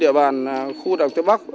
trên địa bàn khu đảng tây bắc